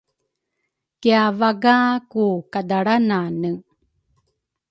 Kiavaga ku kadalranane